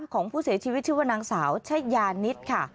ของผู้เสียชีวิตชื่อนางสาวแช่งอย่านิดค่ะ